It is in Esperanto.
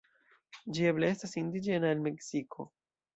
Ĝi eble estas indiĝena el Meksiko.